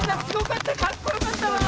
すごかった！